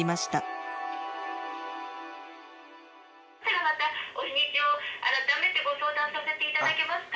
ではまたお日にちを改めてご相談させていただけますか？